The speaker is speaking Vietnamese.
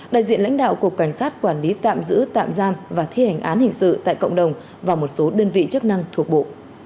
đại diện lãnh đạo cục cảnh sát quản lý tạm giữ tạm giam và thi hành án hình sự tại cộng đồng và một số đơn vị chức năng thuộc bộ